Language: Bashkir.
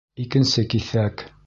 Икенсе киҫәк.